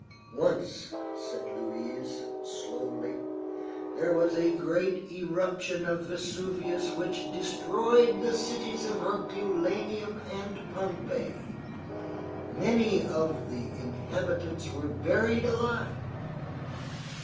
"Once," said Louise, slowly, "there was a great eruption of Vesuvius which destroyed the cities of Herculaneum and Pompeii. Many of the inhabitants were buried alive.